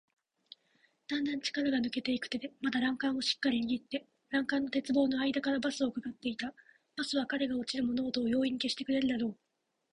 だんだん力が抜けていく手でまだ欄干をしっかりにぎって、欄干の鉄棒のあいだからバスをうかがっていた。バスは彼が落ちる物音を容易に消してくれるだろう。